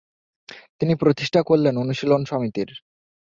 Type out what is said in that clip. তিনি প্রতিষ্ঠা করলেন অনুশীলন সমিতির।